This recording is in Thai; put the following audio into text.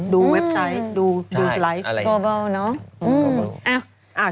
ดูเว็บไซต์ดูสไลฟ์โบบัวเนอะ